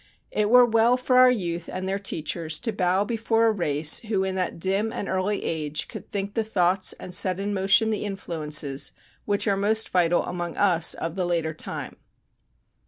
It were well for our youth and their teachers to bow before a race who in that dim and early age could think the thoughts and set in motion the influences which are most vital among us of the later time.